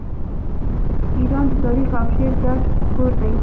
ایران د تاریخ او شعر ګډ کور دی.